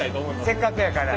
せっかくやから。